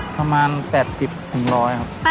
ประมาณ๘๐๑๐๐ครับ